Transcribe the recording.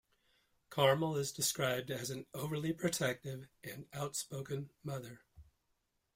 Carmel is described as an "overly protective" and "outspoken" mother.